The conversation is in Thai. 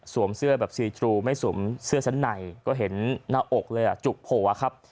เสื้อแบบซีทรูไม่สวมเสื้อชั้นในก็เห็นหน้าอกเลยอ่ะจุกโผล่ครับ